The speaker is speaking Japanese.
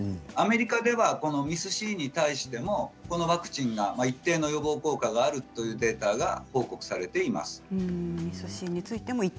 アメリカではこのＭＩＳ−Ｃに対してもこのワクチンが一定の予防効果があるというデータが報告されています。